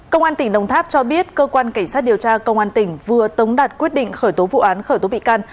công an tỉnh đồng tháp cho biết cơ quan cảnh sát điều tra công an tỉnh vừa tống đạt quyết định khởi tố vụ án khởi tố bị can